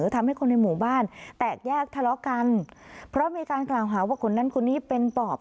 ทำให้คนในหมู่บ้านแตกแยกทะเลาะกันเพราะมีการกล่าวหาว่าคนนั้นคนนี้เป็นปอบ